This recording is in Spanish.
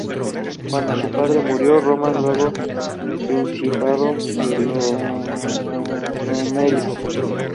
Cuando su padre murió, Román legó el Principado de Lodomeria.